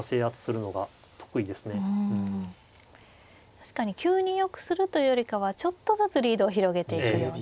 確かに急によくするというよりかはちょっとずつリードを広げていくような。